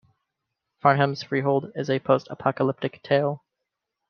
"Farnham's Freehold" is a post-apocalyptic tale.